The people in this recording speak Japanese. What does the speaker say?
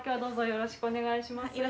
よろしくお願いします。